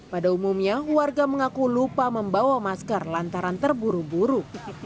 pada umumnya warga mengaku lupa membawa masker lantaran terburu buru